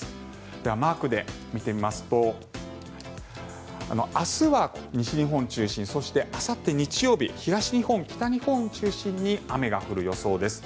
ではマークで見てみますと明日は西日本を中心にそして、あさって日曜日東日本、北日本を中心に雨が降る予想です。